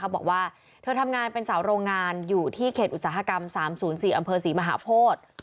บอกว่าเธอทำงานเป็นสาวโรงงานอยู่ที่เขตอุตสาหกรรม๓๐๔อำเภอศรีมหาโพธิ